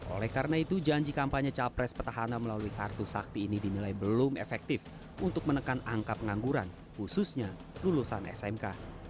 oleh karena itu janji kampanye capres petahana melalui kartu sakti ini dinilai belum efektif untuk menekan angka pengangguran khususnya lulusan smk